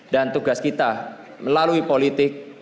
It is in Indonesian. dan tugas kita melalui politik